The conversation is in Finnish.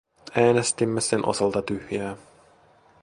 Äänestimme sen osalta tyhjää.